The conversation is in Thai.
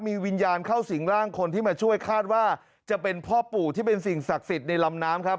มีวิญญาณเข้าสิงร่างคนที่มาช่วยคาดว่าจะเป็นพ่อปู่ที่เป็นสิ่งศักดิ์สิทธิ์ในลำน้ำครับ